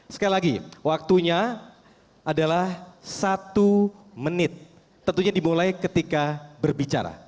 sekali lagi waktunya adalah satu menit tentunya dimulai ketika berbicara